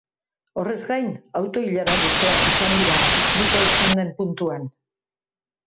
Horrez gain, auto-ilara luzeak izan dira istripua izan den puntuan.